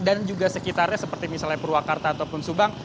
dan juga sekitarnya seperti misalnya purwakarta ataupun subang